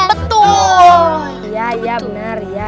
betul tidak betul